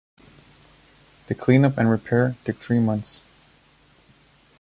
The clean-up and repair took three months.